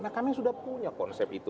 nah kami sudah punya konsep itu